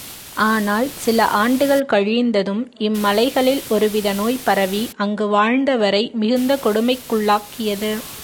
ஆனால் சில ஆண்டுகள் கழிந்ததும், இம்மலைகளில் ஒருவித நோய் பரவி அங்கு வாழ்ந்தவரை மிகுந்த கொடுமைக்குள்ளாக்கியது.